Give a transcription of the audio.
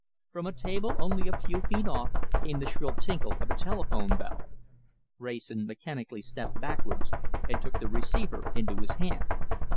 From a table only a few feet off came the shrill tinkle of a telephone bell. Wrayson mechanically stepped backwards and took the receiver into his hand.